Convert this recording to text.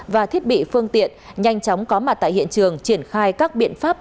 và thiết bị phương tiện nhanh chóng có mặt tại hiện trường triển khai các biện pháp